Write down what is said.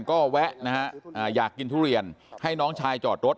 ก็แวะนะฮะอยากกินทุเรียนให้น้องชายจอดรถ